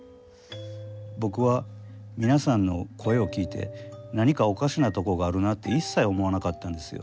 僕は皆さんの声を聴いて何かおかしなとこがあるなって一切思わなかったんですよ。